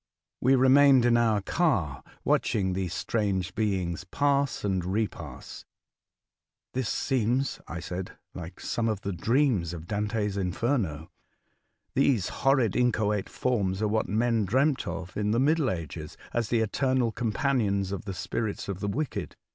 We remained in our car, watching these strange beings pass and re pass. " This seems," I said, '' like some of the dreams of Dante's ' Inferno.' These horrid, inchoate forms are what men dreamt of in the Middle Ages as the eternal companions of the spirits of the wicked.